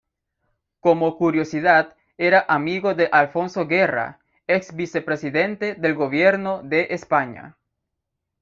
Como curiosidad, era amigo de Alfonso Guerra, ex-vicepresidente del Gobierno de España.